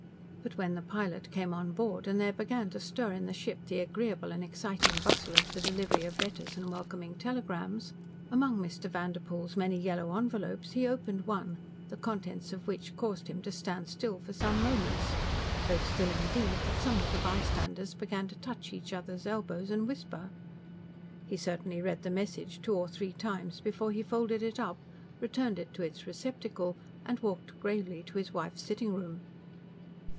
But when the pilot came on board and there began to stir in the ship the agreeable and exciting bustle of the delivery of letters and welcoming telegrams, among Mr. Vanderpoel's many yellow envelopes he opened one the contents of which caused him to stand still for some moments so still, indeed, that some of the bystanders began to touch each other's elbows and whisper. He certainly read the message two or three times before he folded it up, returned it to its receptacle, and walked gravely to his wife's sitting room.